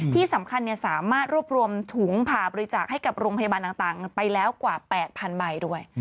ที่สำคัญสามารถรวบรวมถุงผ่าบริจาคให้กับโรงพยาบาลต่างไปแล้วกว่า๘๐๐๐ใบด้วย